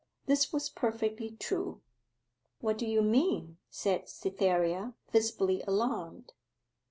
This was perfectly true. 'What do you mean?' said Cytherea, visibly alarmed.